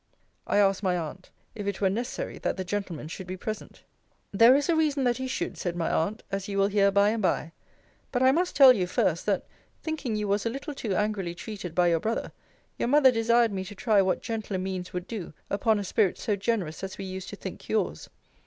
I asked my aunt, If it were necessary, that the gentleman should be present? There is a reason that he should, said my aunt, as you will hear by and by. But I must tell you, first, that, thinking you was a little too angrily treated by your brother, your mother desired me to try what gentler means would do upon a spirit so generous as we used to think yours.